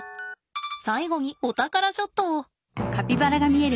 最後にお宝ショットを。